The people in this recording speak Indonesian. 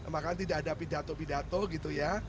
makanya tidak ada pidato pidato gitu ya